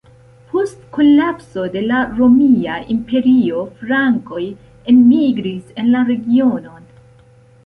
Post kolapso de la Romia Imperio frankoj enmigris en la regionon.